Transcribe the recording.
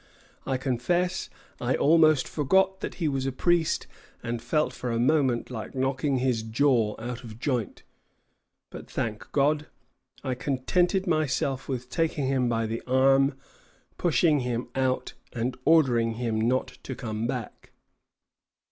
I confess I almost forgot that he was a priest, and felt for a moment like knocking his jaw out of joint; but, thank God, I contented myself with taking him by the arm, pushing him out, and ordering him not to come back."